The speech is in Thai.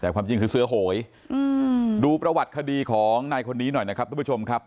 แต่ความจริงคือเสื้อโหยดูประวัติคดีของนายคนนี้หน่อยนะครับทุกผู้ชมครับ